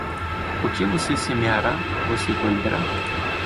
O que você semeará, você colherá.